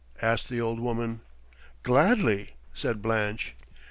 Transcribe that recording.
asked the old woman. "Gladly," said Blanche.